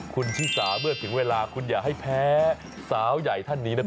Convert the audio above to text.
คุณชิสาเมื่อถึงเวลาคุณอย่าให้แพ้สาวใหญ่ท่านนี้นะครับ